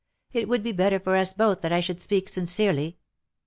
It would be better for us both that I should speak sincerely.